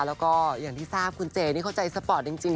แล้วก็อย่างที่ทราบคุณเจนี่เขาใจสปอร์ตจริง